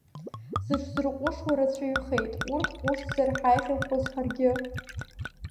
Зыҽзырҟәышуа рацәаҩхеит, урҭ ҟәышзар ҳаиӷьымхоз ҳаргьы!